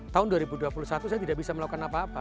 tahun dua ribu dua puluh satu saya tidak bisa melakukan apa apa